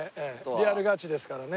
リアルガチですからね。